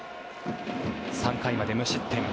３回まで無失点。